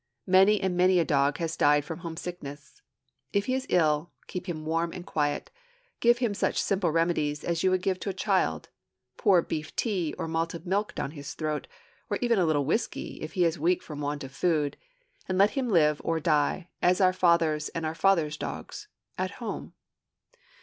Many and many a dog has died from homesickness. If he is ill, keep him warm and quiet, give him such simple remedies as you would give to a child: pour beef tea or malted milk down his throat, or even a little whiskey, if he is weak from want of food; and let him live or die, as did our fathers and our fathers' dogs at home.